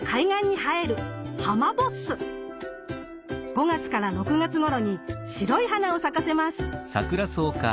５月６月頃に白い花を咲かせます。